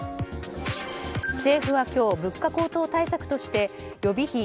政府は今日、物価高騰対策として予備費